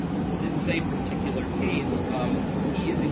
This is a particular case of p | (q/q).